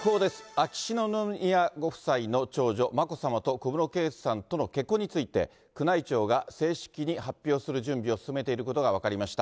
秋篠宮ご夫妻の長女、眞子さまと小室圭さんとの結婚について、宮内庁が正式に発表する準備を進めていることが分かりました。